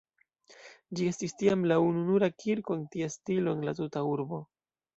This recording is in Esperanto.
Ĝi estis tiam la ununura kirko en tia stilo en la tuta urbo.